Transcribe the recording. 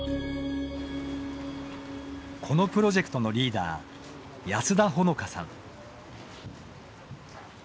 このプロジェクトのリーダー安田穂乃香さん。